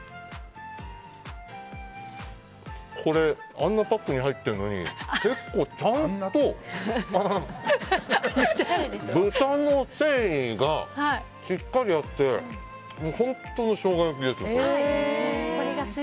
これ、あんなパックに入ってるのに結構、ちゃんと豚の繊維がしっかりあって本当にショウガ焼きです。